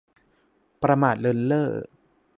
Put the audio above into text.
ประมาทเลินเล่อ